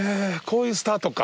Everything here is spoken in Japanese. こういうスタートか。